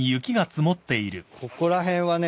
ここら辺はね